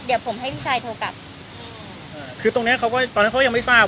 เดี๋ยวผมให้พี่ชายโทรกลับอ่าคือตรงเนี้ยเขาก็ตอนนั้นเขายังไม่ทราบ